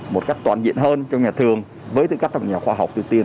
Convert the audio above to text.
một cách toàn diện hơn trong nhà thường với tư cách trong nhà khoa học tiêu tiên